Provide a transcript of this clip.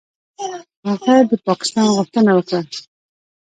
هغه د پاکستان غوښتنه وکړه.